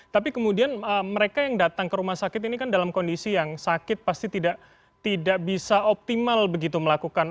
tapi kemudian mereka yang datang ke rumah sakit ini kan dalam kondisi yang sakit pasti tidak bisa optimal begitu melakukan